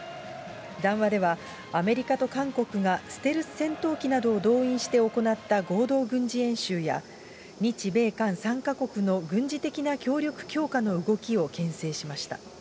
談話では、アメリカと韓国がステルス戦闘機などを動員して行った合同軍事演習や、日米韓３か国の軍事的な協力強化の動きをけん制しました。